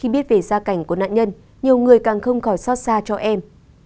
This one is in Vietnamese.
viết về gia cảnh của nạn nhân nhiều người càng không khỏi xót xa cho em